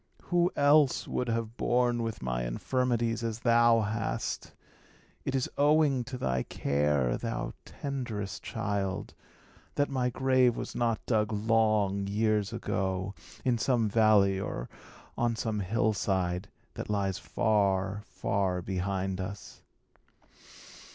Who else would have borne with my infirmities as thou hast! It is owing to thy care, thou tenderest child, that my grave was not dug long years ago, in some valley, or on some hillside, that lies far, far behind us.